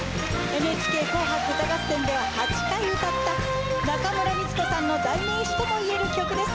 『ＮＨＫ紅白歌合戦』では８回歌った中村美律子さんの代名詞ともいえる曲です。